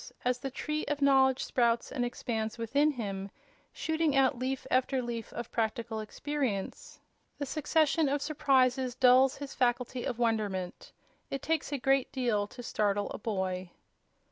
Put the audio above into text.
As the tree of knowledge sprouts and expands within him, shooting out leaf after leaf of practical experience, the succession of surprises dulls his faculty of wonderment. It takes a great deal to startle a boy.